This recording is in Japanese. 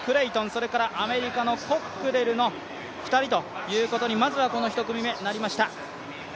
それからアメリカのコックレルの２人ということになりました。